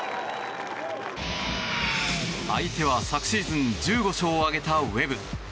相手は、昨シーズン１５勝を挙げたウェブ。